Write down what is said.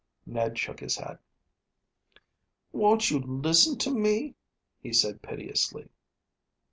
Ned shook his head. "Won't you listen to me?" he said piteously.